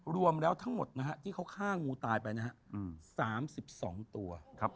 รวมแล้วทั้งหมดนะฮะที่เขาฆ่างูตายไปนะฮะ๓๒ตัว